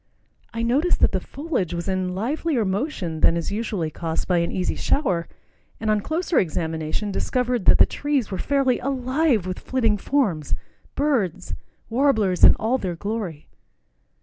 I noticed that the foliage was in livelier motion than is usually caused by an easy shower, and on closer examination discovered that the trees were fairly alive with flitting forms, birds—warblers in all their glory.